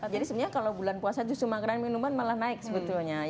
jadi sebenarnya kalau bulan puasa justru makanan dan minuman malah naik sebetulnya